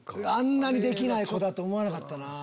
あんなにできない子だと思わなかったな。